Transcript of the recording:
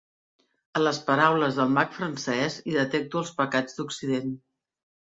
A les paraules del mag francès hi detecto els pecats d'Occident.